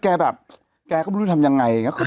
แกก็ไม่รู้ทำยังไงกัน